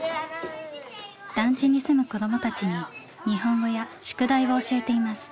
団地に住む子どもたちに日本語や宿題を教えています。